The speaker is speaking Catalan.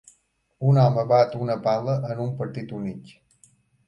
Un home bat una pala en un partit únic.